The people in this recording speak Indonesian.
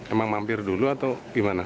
emang mampir dulu atau gimana